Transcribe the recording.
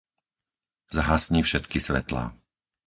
Zhasni všetky svetlá.